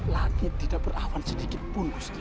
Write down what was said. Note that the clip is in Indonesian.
langit tidak berawan sedikit pun gusti